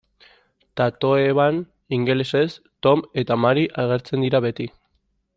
Tatoeban, ingelesez, Tom eta Mary agertzen dira beti.